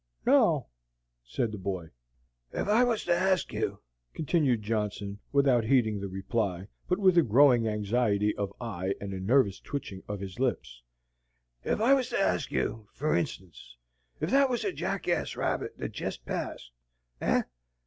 "No," said the boy. "Ef I was to ask you," continued Johnson, without heeding the reply, but with a growing anxiety of eye and a nervous twitching of his lips, "ef I was to ask you, fur instance, ef that was a jackass rabbit thet jest passed, eh?